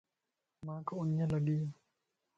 مانک اڃ لڳي